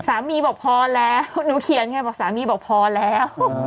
บอกพอแล้วหนูเขียนไงบอกสามีบอกพอแล้ว